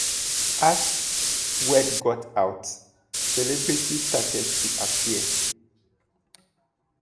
As word got out, celebrities started to appear.